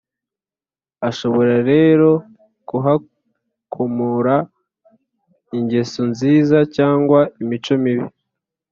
Ashobora rero kuhakomora ingeso nziza cyangwa imico mibi